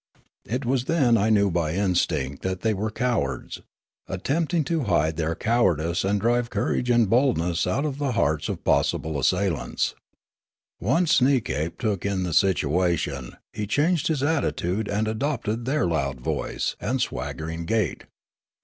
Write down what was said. It was then I knew by instinct that the}' were cowards, attempting to hide their cowardice and drive courage and boldness out of the hearts of possible assailants. Once Sneekape took in the situation, he changed his attitude and adopted their loud voice and swaggering gait.